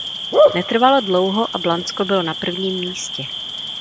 Netrvalo dlouho a Blansko bylo na prvním místě.